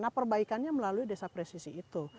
nah perbaikannya melalui desa presisi itu